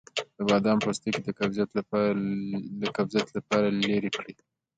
د بادام پوستکی د قبضیت لپاره لرې کړئ